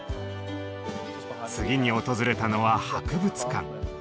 次に訪れたのは博物館。